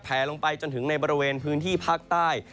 ลงไปจนถึงในบริเวณพื้นที่ภาคใต้